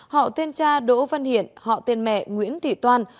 họ tên cha đỗ văn hiển họ tên mẹ nguyễn thị toan